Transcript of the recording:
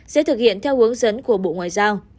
sẽ thực hiện theo hướng dẫn của bộ ngoại giao